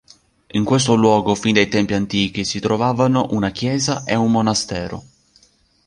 In questo luogo, fin dai tempi antichi, si trovavano una chiesa e un monastero.